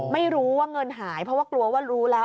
ไม่รู้ว่าเงินหายเพราะว่ากลัวว่ารู้แล้ว